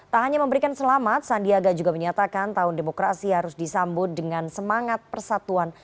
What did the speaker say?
tak hanya memberikan selamat sandiaga juga menyatakan tahun demokrasi harus disambut dengan semangat persatuan